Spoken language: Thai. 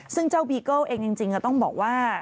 ซึ่งเจ้าบีเกิ้ลเองจริงต้องบอกว่า